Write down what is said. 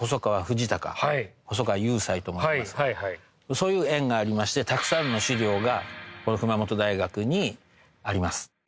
そういう縁がありましてたくさんの史料がこの熊本大学にあります。